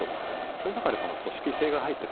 そういう中で、この組織性が入ってる。